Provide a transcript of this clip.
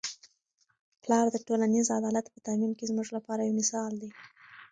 پلار د ټولنیز عدالت په تامین کي زموږ لپاره یو مثال دی.